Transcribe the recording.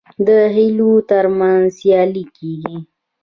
د خیلونو ترمنځ سیالي کیږي.